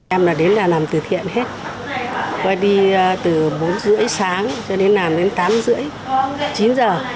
em là đến làm từ thiện hết quay đi từ bốn h ba mươi sáng cho đến làm đến tám h ba mươi chín h